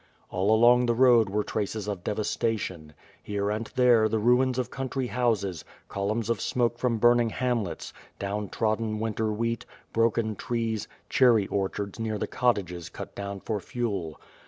All along the road were traces of devastation. Here and there the ruins of country houses, columns of smoke from burning hamlets, down trodden winter wheat, broken trees, cherry orchards near the cottages cut down for fuel.